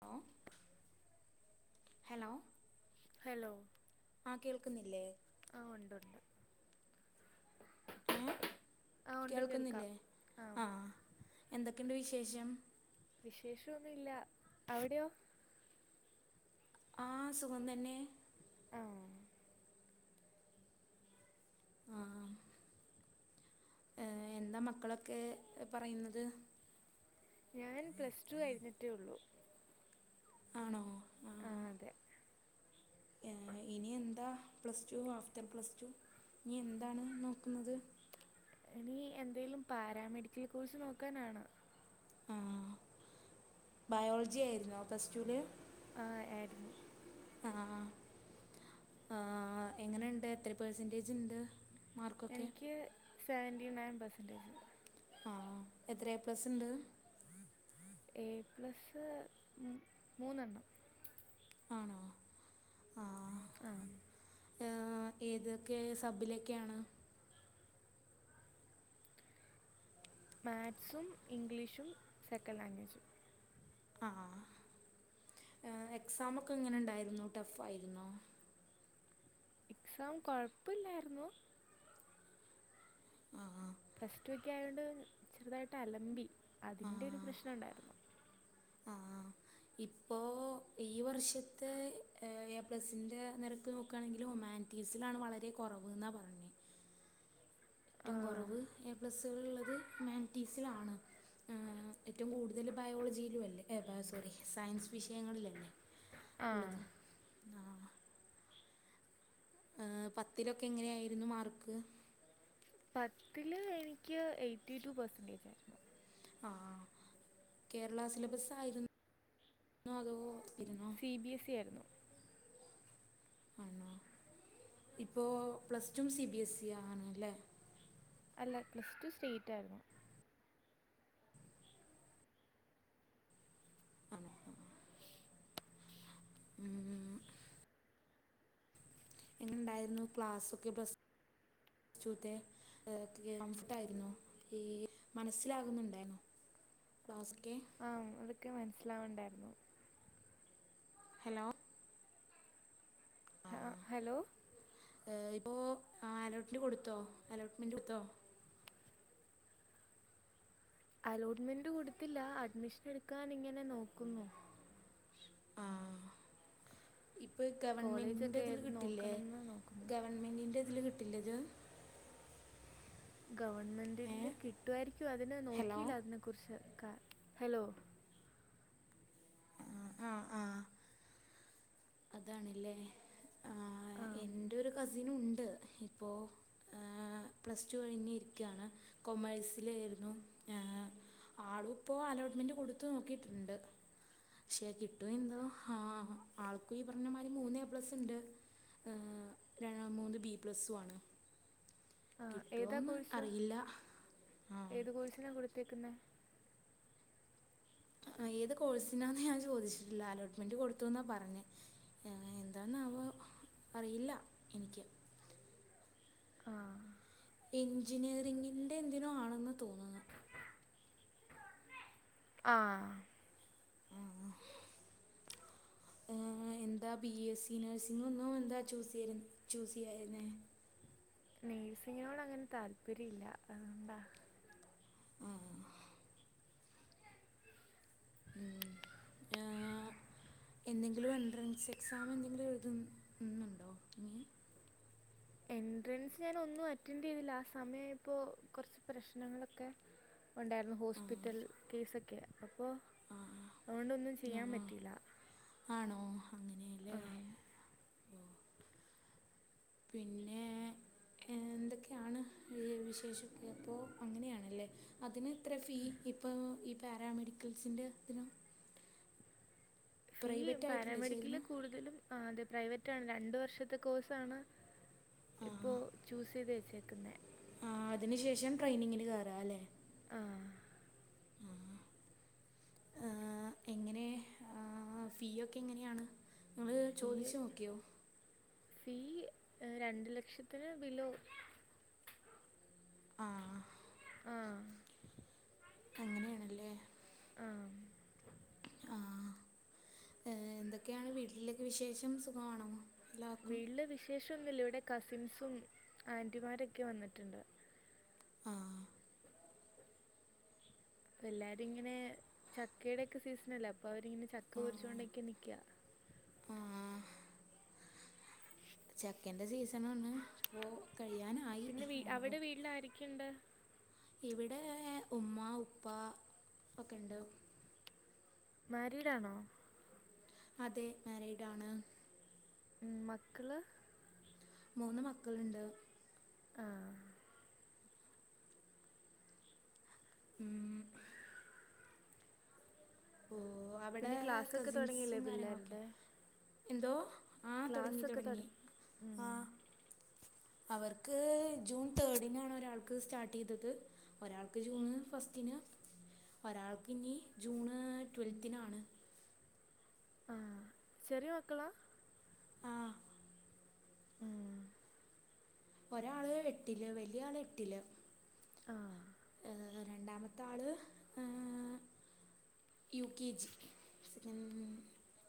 Hello hello hello ആ കേൾക്കുന്നില്ലേ ആഹ് ഉണ്ട് ണ്ട് ഏഹ് ആ ഉണ്ട് കേൾക്കാം കേൾക്കുന്നില്ലേ. ആ ആഹ് എന്തൊക്കെണ്ട് വിശേഷം വിശേഷോന്നുല്ല അവിടെയോ ആഹ് സുഖം തന്നെ ആഹ് ആ ഏ എന്താ മക്കളൊക്കെ പറയുന്നത് ഞാൻ പ്ലസ് ടു കഴിഞ്ഞിട്ടേ ഉള്ളൂ ആണോ ആ... ഇനി എന്താ plus two after plus two നി എന്താണ് നോക്കുന്നത് ഇനി എന്തേലും പാരാമെഡിക്കൽ കോഴ്സ് നോക്കാനാണ് ആഹ് ബയോളജി ആയിരുന്നോ പ്ലസ് ടൂല് ഹ് ഏരുന്നു ആഹ് ആ എങ്ങനെണ്ട് എത്ര പെഴ് സെന്റേജ് ണ്ട് എനിക്ക് സെവന്റി ണയൻ പെഴ്സെൻറ്റേജ് ആഹ് എത്ര എപ്ലസ് ണ്ട് എ പ്ലസ്സ് മൂന്നെണ്ണം ആണോ ആഹ് ആഹ് ആഹ് ഏതൊക്കെ സബിലൊക്കെയാണ് മാത്സും ഇംഗ്ലീഷും സെക്കൻഡ് ലാംഗ്വേജ് ആഹ് എക്സാം ഒക്കെ എങ്ങനെണ്ടായിന്ന ടഫ് ആയിര്ന്നോ എക്സാം കൊഴപ്പില്ലായിരുന്നു ആഹ് ആഹ് ഫസ്റ്റ് ക്കെ ആയതുകൊണ്ട് ചെറുതായിട്ട് അലമ്പി അതിൻ്റെ ഒരു പ്രശ്നം ഉണ്ടായിരുന്നു ആഹ് ആഹ് ഇപ്പോ ഈ വർഷത്തെ എ പ്ലസിന്റെ നിരക്ക് നോക്കുകയാണെങ്കിൽ ഒമാൻ റ്റീസിലാണ് വളരെ കുറവ് എന്നാ പറഞ്ഞത് ഏറ്റവും കുറവ് ആ എ പ്ലസ ഉള്ളത് മാൻറ്റീസിലാണ് ഏറ്റവും കൂടുതൽ ബയോളജിയിലും അല്ലേ സോറി സയൻസ് വിഷയങ്ങളില അല്ലേ ആഹ് ആഹ് പത്തിലൊക്കെ എങ്ങനെയായിരുന്നു മാർക്ക് പത്തില് എനിക്ക് എയ്റ്റി ടു പെർസെന്റേജ ആയിരുന്നു ആഹ് കേരള സിലബസ് ആയിര്ന്നോ അതോ ഇരുന്നോ സി ബി എസ് ഇ ആയിരുന്നു ആണോ ഇപ്പോൾ plus two C B S E ആണ്ല്ലേ അല്ല പ്ലസ് ടു സ്റ്റേറ്റ് ആയിരുന്നു ആഹ് ഉം എങ്ങനെ ഇണ്ടായിരുന്നു ക്ലാസ്സൊക്കെ പ്ലസ് പ്ലസ്ടുത്തെ കംഫർട്ട ആയിര്ന്നോ ഈ മനസ്സിലാകുന്നുണ്ടായിരുന്നുോ ക്ലാസ് കെ ആഹ് അതൊക്കെ മനസ്സിലാവണ്ടായിരുന്നു ഹലോ ഹ ഹലോ ഇപ്പോൊ അലോട്ട്മെന്റ് കൊടുത്തോ അലോട്ട്മെന്റ് കൊടുത്തോ അലോട്ട്മെന്റ് കൊടുത്തില്ല അഡ്മിഷൻ എടുക്കാൻ ഇങ്ങനെ നോക്കുന്നു ആഹ് ഇപ്പൊ ഗവൺമെന്റിന്റെ കോളേജൊക്കെ ഇതില് ഏത് കിട്ടില്ലേ നോക്കണമെന്ന് നോക്കുന്നു ഗവൺമെന്റിന്റെ ഇതില് കിട്ടില്ലത് ഗവൺമെൻറ്റില് ഏഹ് കിട്ടുമായിരിക്കും അതിനെ ഹലോ നോക്കിയില്ല അതിനെക്കുറിച്ച് കാ ഹലോ ആഹ് ആഹ് അതാണല്ലേ ആഹ് ആഹ് എൻ്റെ ഒരു കസിനുണ്ട് അതിനിപ്പോൊ ആഹ് പ്ലസ് ടു കഴിഞ്ഞി ഇരിക്കകയാണ് കൊമേഴ്സിലായിരുന്നു ആഹ് ആളും ഇപ്പോ അലോട്ട്മെന്റ് കൊടുത്ത നോക്കിട്ടുണ്ട് ശേ കിട്ടോ എന്തോ ആഹ് ആൾക്ക ഈ പറഞ്ഞമാതിരി മൂന്ന് എ പ്ലസ് ഉണ്ട് മൂന്ന് ബിപ്ലസും ആണ് ആഹ് ഏതാ കിട്ടുവോന്ന് കോഴ്സ് അറിയില്ല ആഹ് ഏത് കോഴ്സിനാണ് കൊടുത്തേക്കുന്നത് ഏത് കോഴ്സിനാന്ന് ഞാൻ ചോദിച്ചിട്ടില്ല അലോട്ട്മെന്റ് കൊടുത്തുന്നാ പറഞ് ആ എന്താന്നാവം അറിയില്ല എനിയ്ക്ക് ആഹ് എഞ്ചിനീയറിങ്ങിന്റെ എന്തിനോ ആണെന്ന് തോന്ന്ന്ന് ആഹ് ആഹ് ആ എന്താ ബി എസ് സി നഴ്സിംങ്ങൊന്നും എന്താ ചൂസെയ്യാര് ചൂസെയ്യാര്ന്നേ നേഴ്സിങ്ങിനോട് അങ്ങനെ താല്പര്യം ഇല്ല അതുകൊണ്ടാ ആഹ് ഉം [unintelligible] ആ എന്തെങ്കിലും എൻട്രൻസ് എക്സാം എന്തെങ്കിലും എഴതുന്നുണ്ടോ ഇനിയും എൻട്രൻസ് ഞാൻ ഒന്നും അറ്റൻഡ് ചെയ്തില്ല ആ സമയം ആയപ്പോ കൊറച്ച് പ്രശ്നങ്ങളൊക്കെ ഉണ്ടായിരുന്നു ആഹ് ഹോസ്പിറ്റൽ കേസൊക്കെയാ അപ്പോ ആഹ് അതുകൊണ്ടൊന്നും ചെയ്യാൻ ആഹ് പറ്റിയില്ല ആണോ അങ്ങനെ ആഹ് പിന്നെ ഏ എന്തൊക്കെയാണ് ഏ വിശേഷൊക്കേ അപ്പോ അങ്ങനെയാണല്ലേ അതിന് എത്ര ഫീ ഇപ്പൊ ഈ പാരാമെഡിക്കൽസിന്റെ ഇതിന് ഫീ പ്രൈവറ്റ് ആയിട്ടല്ലേ പാരാമെഡിക്കലിൽ ചേരുന്നത് കൂടുതലും ആ അതെ പ്രൈവറ്റ്ആണ് രണ്ട് വർഷത്തെ കോഴ്സാണ് ആ ഇപ്പോ ചൂസ് ചെയ്ത് വച്ചേക്കുന്നേ അതിനു ശേഷം ട്രെയിനിങ്ങിന് കേറാം അല്ലേ ആഹ് എങ്ങനെ ആ ഫീ ഒക്കെ എങ്ങനെയാണ് നിങ്ങള് ഫീ ചോദിച്ചു നോക്കിയോ ഫീ രണ്ടു ലക്ഷത്തിന് ബിലോ ആ ആ അങ്ങനെയാണല്ലേ ആഹ് ആഹ് ഏ എന്തൊക്കെയാണ് വീട്ടിലേ ക്കേ വിശേഷം സുഖമാണോ? എല്ലാവർക്കും വീട്ട്ല് വിശേഷം ഒന്നുമില്ല ഇവിടെ കസിൻസും ആന്റിമാരൊക്കെ വന്നിട്ടുണ്ട് ആഹ് അപ്പ എല്ലാരും ഇങ്ങനെ ചക്കയുടെക്കെ സീസണല്ലേ അപ്പൊ അവരിങ്ങനെ ചക്ക ആ പൊരിച്ചുകൊണ്ടക്കെ നിക്ക്യാ ആ [inaudible] ചക്കന്റെ സീസണാണ് ഇപ്പോ കഴിയാന പിന്നെ വീ അവ്ടെ വീട്ട്ല് ആരെ ക്കേണ്ട്? ഇവ്ടെ ഉമ്മ ഉപ്പ ഒക്കെണ്ട്. മാരീട് ആണോ? അതെ മാരീഡ് ആണ്. ഉം മക്കള്? മൂന്ന് മക്കള്ണ്ട്. ആഹ് ഉം ഓ അവിടെ പിന്നെ ക്ലാസ്സൊക്കെ തുടങ്ങിയില്ലേ കസിൻസും കാര്യങ്ങളൊക്കെയാണ് പിള്ളേരുടെ എന്തോ ആ തൊടങ്ങി ക്ലാസ്സൊക്കെ തൊടങ്ങി തുടങ്ങി ഉം ആ അവർക്ക് ജൂൺ തേർഡ്നാണ് ഒരാൾക്ക് സ്റ്റാർട്ടെയ്തത്. ഒരാൾക്ക് ജൂണ് ഫസ്റ്റിന് ഒരാൾക്ക് ഇനി ജൂണ് ട്യൂവൽത്തിനാണ് ആഹ് ചെറിയ മക്കളാ ആ ഉം ഒരാള് എട്ടില് വല്യ ആള് എട്ടില്. ആഹ് രണ്ടാമത്തെ ആള് ആഹ് യു കെ ജി ഉം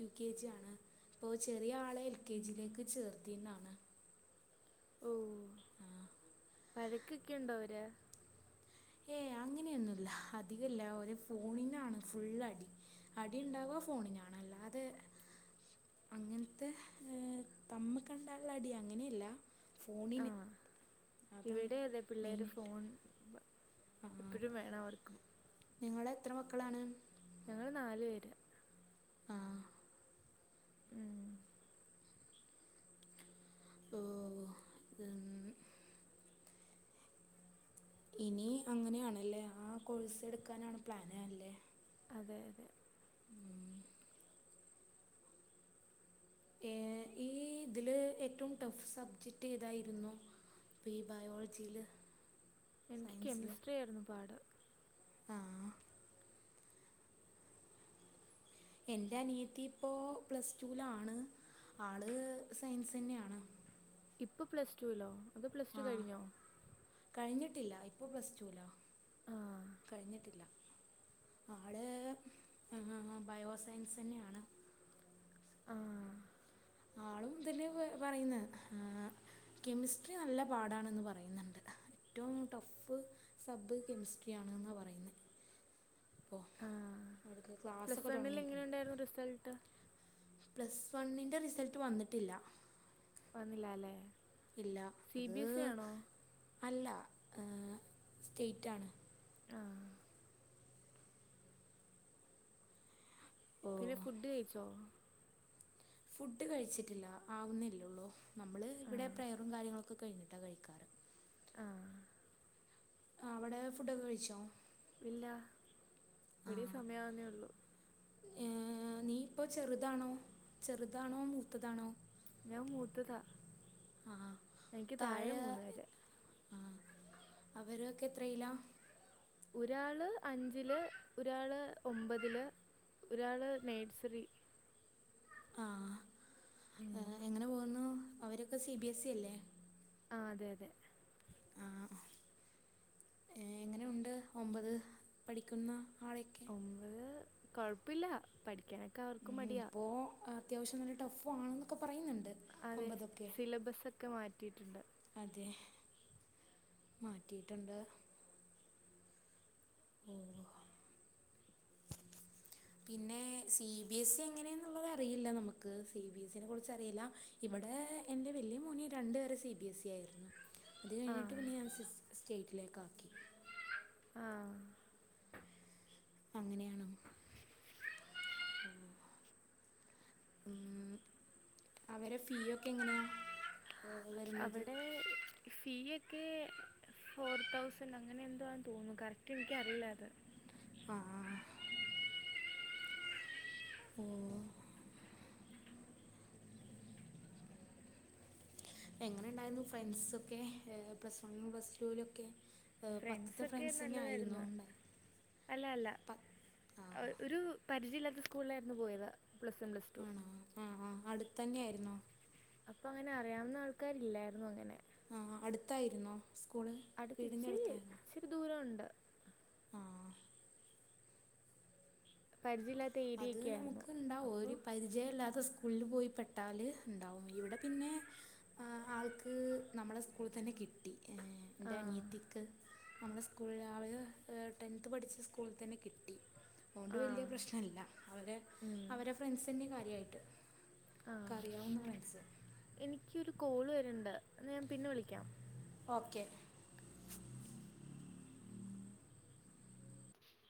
യു കെ ജി ആണ് അപ്പോൾ ചെറിയ ആളെ എൽ കെ ജിയിലേക്ക് ചേർത്തിന്നാണ്. ഓ ആ വഴക്കൊക്കെ ഉണ്ടോ അവര്? ഏഹ് അങ്ങനെയൊന്നുമല്ല അധികല്ല ഒരു ഫോണിനാണ് ഫുൾ അടിക്ട് അടി ഇണ്ടാവ ഫോണിനാണ് അല്ലാതെ അങ്ങനത്തെ ഏ തമ്മി കണ്ടാലുള്ള അടി അങ്ങനെയല്ല. ഫോണിന് ആഹ് അതാണ് ഇവിടെ അതെ പിള്ളേര് മെയിനായിട്ട് ഫോൺ എപ്പോഴും വേണം അവർക്ക് നിങ്ങള എത്ര മക്കളാണ്. ഞങ്ങള് നാലു പേര്. ആഹ് ഉം ഓ ഉം ഇനി അങ്ങനെയാണല്ലേ ആ കോഴ്സ എടുക്കാനാണ് പ്ലാൻ അല്ലേ? അതെ അതെ ഏ ഈ ഇതില് ഏറ്റവും ടഫ് സബ്ജക്ട് ഏതായിരുന്നു? ഇപ്പൊ ഈ ബയോളജിയില്. എനിക്ക് കെമിസ്ട്രി ആയിരുന്നു പാട്. ആഹ് എന്റെറെ അനിയത്തി ഇപ്പോൾ പ്ലസ് ടു ലാണ് ആള് സയൻസ് തന്നെയാണ്. ഇപ്പൊ പ്ലസ് ടു ല്ലോ അതോ പ്ലസ്്ടു ആ കഴിഞ്ഞോ? കഴിഞ്ഞിട്ടില്ല ഇപ്പൊ പ്ലസ് ടു ലാണ് ആ കഴിഞ്ഞിട്ടില്ല ആള് ഏ ബയോസയൻസ് തന്നെയാണ് ആഹ് ആളും ഇത് തന്നെയ പറയുന്ന ആഹ് കെമിസ്ട്രി നല്ല പാടാണന്ന് പറയുന്നുണ്ട് ഏറ്റവും ടഫ് സബ് കെമിസ്ട്രി ആണെന്ന പറയുന്ന അപ്പോ ആ അവിടക്ക് പ്ലസ് ക്ലാസ്സൊക്കെ വണ്ണിൽ എങ്ങനെ തുടങ്ങിയിട്ടുണ്ട് റിസൾട്ട് പ്ലസ് വണ്ണിന്റെ റിസൾട്ട് വന്നിട്ടില്ല വന്നില്ലാല്ലേ ഇല്ല അത് അല്ല സ്റ്റേറ്റാണ് ആഹ് ഓ പിന്നെ ഫുഡ് കഴിച്ചോ ഫുഡ് കഴിച്ചിട്ടില്ല ആവുന്നല്ലേ ഒള്ളൂ നമ്മള് ആ ഇവിടെ പ്രയറും കാര്യങ്ങളൊക്കെ കഴിഞ്ഞിട്ടാ കഴിക്കാറ് ആഹ് ആഹ് അവിടെ ഫുഡൊക്കെ കഴിച്ചോ ഇല്ല ഇവിടേം ആ സമയാവുന്നേ ഒള്ളൂ ഏഹ് നീ ഇപ്പോ ചെറുതാണോ ചെറുതാണോ മൂത്തതാണോ ഞാൻ മൂത്തതാ ആ എനിക്ക് താഴെ മൂന്ന് പേര് ആഹ് അവരൊക്കെ എത്രയിലാ ഒരാള് അഞ്ചില് ഒരാള് ഒമ്പതില് ഒരാള് നേഴ്സറി ആ ഉം ഏഹ്, എങ്ങനെ പോകുന്നു അവര് ഒക്കെ സി ബി എസ് ഇ അല്ലേ ആഹ് അതെ അതെ എങ്ങനുണ്ട് ഒമ്പത് പഠിക്കുന്ന ആളൊക്കെ ഒമ്പത് കൊഴപ്പില്ല പഠിക്കാനൊക്കെ അവർക്കും മടിയാ ഇപ്പൊ അത്യാവശൃം നല്ല ടഫും ആണെന്നൊക്കെ പറയുന്നുണ്ട് അതെ ഒമ്പതൊക്കെ സിലബസൊക്കെ മാറ്റിട്ടുണ്ട് അതെ മാറ്റിട്ടുണ്ട് ഓഹ് പിന്നെ സി ബി എസ് ഇ എങ്ങനെയാന്നുള്ളത് അറിയില്ല നമുക്ക് സി ബി എസിനെ കുറിച്ച് അറില്ല ഇവിടെ എന്റെ വല്ല്യ മോന് രണ്ട് വരെ സി ബി എസ് ഇ ആയിരുന്നു അത് കഴിഞ്ഞിട്ട് ആഹ് പിന്നെ ഞാൻ സെ സ് സ്റ്റേറ്റിലേക്കാക്കി ആഹ് അങ്ങനെയാണ് ഓഹ് ഉം അവരെ ഫീ ഒക്കെ എങ്ങനെയാ ഏ, വരുന്നത് അവിടെ ഫീ ഒക്കെ ഫോർ തൗസൻ് അങ്ങനെ എന്തോ ആന്ന് തോന്നു കറക്റ്റ് എനിക്കറിയില്ല അത് ആഹ് ആഹ് [inaudible] എങ്ങനെ ഉണ്ടായിരുന്നു ഫ്രണ്ട്സൊക്കെ പ്ലസ് വണ്ണിലും പ്ലസ് ടുവിലും ഒക്കെ പത്ത്ത്തെ ഫ്രണ്ട്സൊക്കെ ഫ്രണ്ട്സ് തന്നെ ആയിരുന്നൊ ഉണ്ടായത് അല്ലല്ല ആ ഒരു പരിചയവില്ലാത്ത സ്കൂളിലായിരുന്നു പോയത് പ്ലസ്സ വൺ പ്ലസ് ടു ആണോ ആഹ് ആഹ് അടുത്തന്നെ ആരുന്നോ അപ്പൊ അങ്ങനെ അറിയാവുന്ന ആൾക്കാരില്ലായിരുന്നു അങ്ങനെ ആഹ് അടുത്തായിരുന്നോ സ്കൂള് വീടിൻ്റെ അടുത്ത്ച്ചിരി അടുത്തായിരുന്നോ ഇച്ചിരി ദൂരം ഒണ്ട് ആ പരിചയമില്ലാത്ത അത് ഏരിയൊക്കെ ആയിരുന്നു നമുക്ക്ണ്ടാവും അപ്പോൾ ഓര് പരിചയല്ലാത്ത സ്കൂള്ല് പോയിപ്പെട്ടാല് ഉണ്ടാവും ഇവിടെ പിന്നെ ആ ആൾക്ക് നമ്മളെ സ്കൂളി തന്നെ കിട്ടി ഏന്റെ ആഹ് അനിയത്തിക്ക് നമ്മളെ സ്കൂളിലാള് ടെൻത് പഠിച്ച സ്കൂള് തന്നെ കിട്ടി അതുകൊണ്ട് വലൃ ആഹ് പ്രശ്നല്ല അവലെ ഉം അവരെ ഫ്രണ്ട്സന്നെ കാര്യായിട്ട് ആഹ് ഒക്കറിയാവുന്ന ഫ്രണ്ട്സ് എനിക്കൊരു കോള് വര്ണ്ട് ന്ന ഞാൻ പിന്നെ വിളിക്കാം. ഓക്കെ